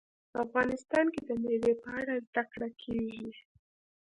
افغانستان کې د مېوې په اړه زده کړه کېږي.